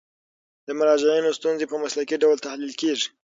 د مراجعینو ستونزې په مسلکي ډول تحلیل کیږي.